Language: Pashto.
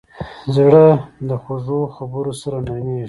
زړه د خوږو خبرو سره نرمېږي.